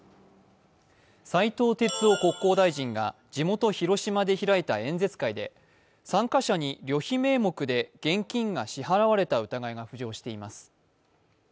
斉藤鉄夫国交大臣が地元・広島で開いた演説会で、参加者に旅費名目で現金が支払われた疑いが浮上しています。